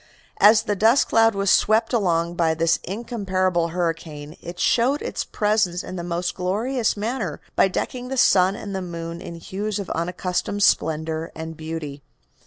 As the dust cloud was swept along by this incomparable hurricane it showed its presence in the most glorious manner by decking the sun and the moon in hues of unaccustomed splendor and beauty.